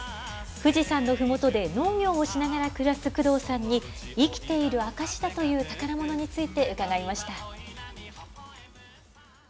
富士山のふもとで、農業をしながら暮らす工藤さんに、生きている証しだという宝ものについて、伺いました。